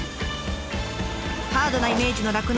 ハードなイメージの酪農。